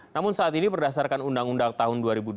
namun saat ini berdasarkan undang undang tahun dua ribu dua belas